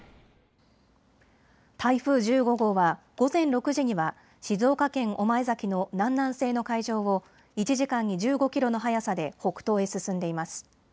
台風１５号は午前６時には静岡県御前崎の南南西の海上を１時間に１５キロの速さで北東へ進んでいます。